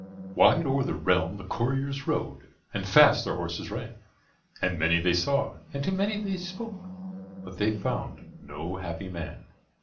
Wide o'er the realm the couriers rode, And fast their horses ran, And many they saw, and to many they spoke, But they found no Happy Man.